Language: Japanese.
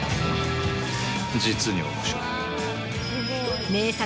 実に面白い。